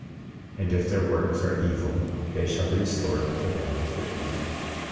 41:4 And if their works are evil they shall be restored unto them for evil.